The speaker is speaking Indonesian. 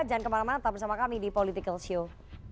jangan kemana mana tetap bersama kami di politikalshow